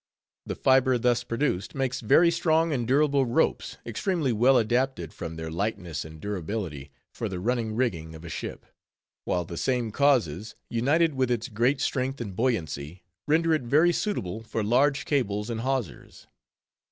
The fiber thus produced makes very strong and durable ropes, extremely well adapted, from their lightness and durability, for the running rigging of a ship; while the same causes, united with its great strength and buoyancy, render it very suitable for large cables and hawsers.